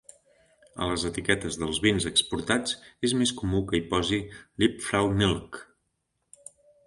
A les etiquetes dels vins exportats és més comú que hi posi "Liebfraumilch".